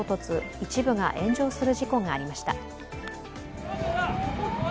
一部が炎上する事故がありました。